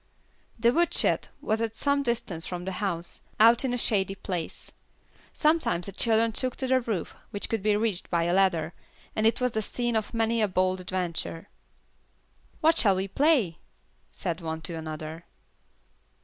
The woodshed was at some distance from the house, out in a shady place. Sometimes the children took to the roof, which could be reached by a ladder, and it was the scene of many a bold adventure. "What shall we play?" said one to another.